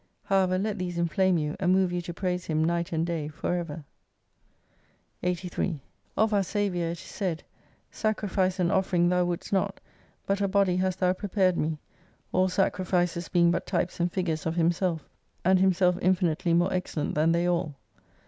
However, let these inflame you, and move you to praise Him night and day forever. 83 Of 'our Saviour it is said, Sacrifice ana offering Thcu wouldsi noty but a body hast Thou prepared vie, all Sacrifices being but types and figures of Himself, and Himself JP 225 infinitely more excellent than they all.